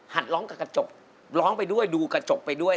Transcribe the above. ร้องกับกระจกร้องไปด้วยดูกระจกไปด้วย